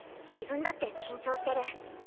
自分だって緊張してる。